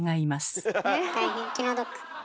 大変気の毒。